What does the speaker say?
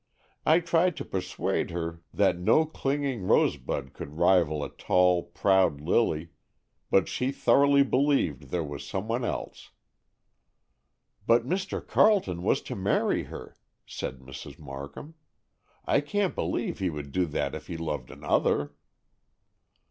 "I tried to persuade her that no clinging rosebud could rival a tall, proud lily, but she thoroughly believed there was some one else." "But Mr. Carleton was to marry her," said Mrs. Markham. "I can't believe he would do that if he loved another."